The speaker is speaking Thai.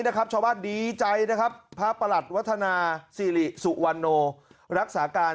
ชาวบ้านดีใจนะครับพระประหลัดวัฒนาสิริสุวรรณโนรักษาการ